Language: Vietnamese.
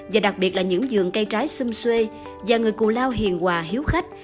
và đặc biệt là những giường cây trái xưng xuê và người cù lao hiền hòa hiếu khách